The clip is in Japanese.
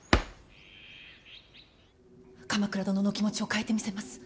鎌倉殿のお気持ちを変えてみせます。